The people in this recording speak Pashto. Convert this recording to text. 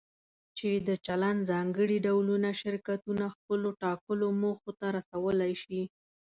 چې د چلند ځانګړي ډولونه شرکتونه خپلو ټاکلو موخو ته رسولی شي.